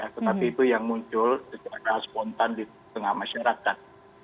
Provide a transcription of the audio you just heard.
tetapi itu yang muncul secara spontan di tengah masyarakat